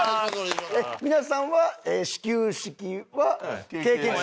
皆さんは始球式は経験者？